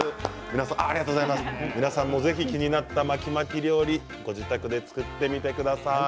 皆さんも、ぜひ気になった巻き巻き料理ご自宅で作ってみてください。